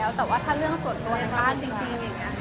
แต่บาทคำถ้าเรื่องส่วนตัวทางบ้านจริงอย่างเนี้ย